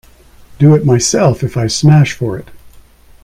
Do it myself if I smash for it!